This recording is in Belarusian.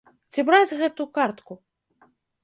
Ці браць гэту картку?